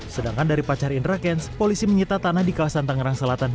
sedangkan dari pacar indra kents polisi menyita tanah di kawasan tangerang selatan